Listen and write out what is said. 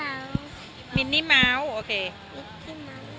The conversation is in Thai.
อันนี้ไม่พูด